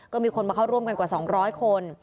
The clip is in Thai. ก็มีคนมาเข้าร่วมกันกว่า๒๐๐คน